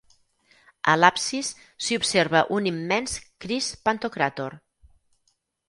A l'absis, s'hi observa un immens Crist pantocràtor.